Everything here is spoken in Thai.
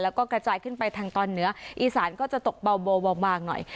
แล้วก็กระจายขึ้นไปทางตอนเหนืออีสานก็จะตกเบาบางหน่อย